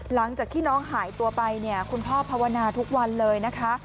หลังจากที่น้องหายตัวไปเนี่ยคุณพ่อภาวนาทุกวันเลยนะคะ